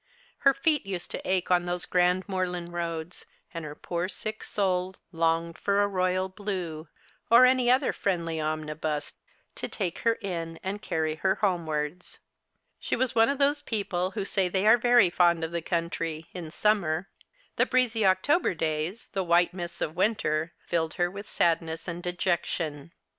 Her feet used to ache on those grand moorland roads, and her poor sick soul long for a Royal Blue, or any other friendly omnibus, to take her in and carry her homewards'. She was one of those people who say they are very fond of the country in summer. The In eezy Octol^er days, the white mists of winter, filled her with sadness and dejection.